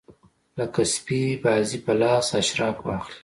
لکه سپي بازي په لاس اشراف واخلي.